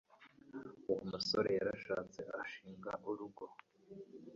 Uwo musore yarashatse ashinga urugo.